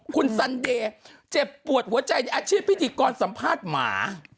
คุณซันเดย์เจ็บปวดหัวใจในอาชีพพิธีกรสัมภาษณ์หมา